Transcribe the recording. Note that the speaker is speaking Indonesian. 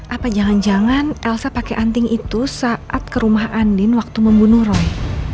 apa jangan jangan elsa pakai anting itu saat ke rumah andin waktu membunuh roy